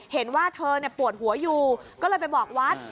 เห็นว่าเธอปวดหัวอยู่ก็เลยไปบอกวัด